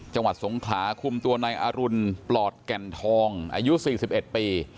จังหวัดสงขลาคุมตัวนายอรุณปลอดแก่นทองอายุ๔๑ปี